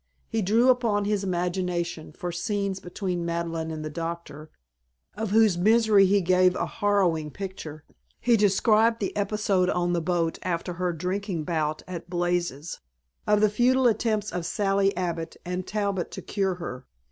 He drew upon his imagination for scenes between Madeleine and the doctor, of whose misery he gave a harrowing picture. He described the episode on the boat after her drinking bout at Blazes', of the futile attempts of Sally Abbott and Talbot to cure her.